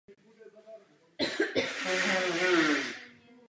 Některé matematické objekty lze zapsat mnoha způsoby.